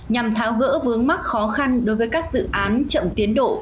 nhằm tháo gỡ vướng mắc khó khăn đối với các dự án chậm tiến độ